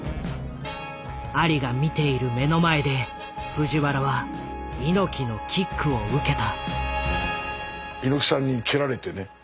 アリが見ている目の前で藤原は猪木のキックを受けた。